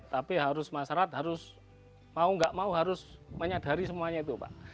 tapi harus masyarakat harus mau nggak mau harus menyadari semuanya itu pak